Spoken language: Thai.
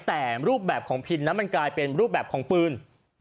แต่รูปแบบของพินนั้นมันกลายเป็นรูปแบบของปืน